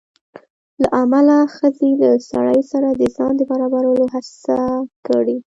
له امله ښځې له سړي سره د ځان د برابرولو هڅه کړې